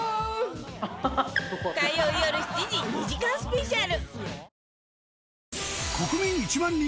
火曜よる７時２時間スペシャル